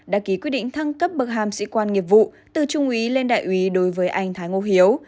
đã ký quyết định thăng cấp bậc hàm sĩ quan nghiệp vụ từ trung úy lên đại úy đối với anh thái ngô hiếu